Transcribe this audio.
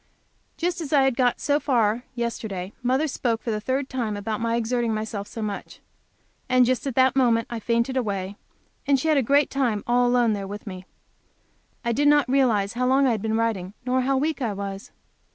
Just as I had got so far, yesterday, mother spoke for the third time about my exerting myself so much. And just at that moment I fainted away, and she had a great time all alone there with me. I did not realize how long I had been writing, nor how weak I was.